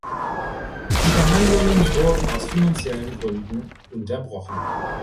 Die Verhandlungen wurden aus finanziellen Gründen unterbrochen.